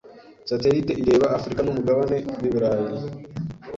Satelite ireba Afrikanumugabane wiburayi